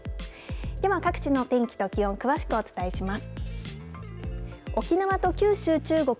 では、各地の天気と気温詳しくお伝えします。